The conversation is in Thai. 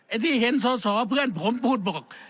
ที่เห็นสอสอเพื่อนผมพูดบอก